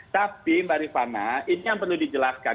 tapi mbak rifana ini yang perlu dijelaskan